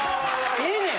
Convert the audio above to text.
ええねや？